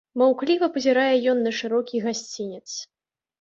Маўкліва пазірае ён на шырокі гасцінец.